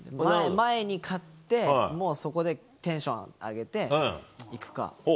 前に買って、もうそこでテンション上げて、いくか。